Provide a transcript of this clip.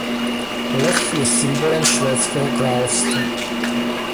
Lev je symbolem Švédského království.